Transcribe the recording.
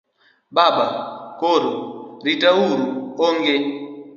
Baba:koro? Kitaru: ong'e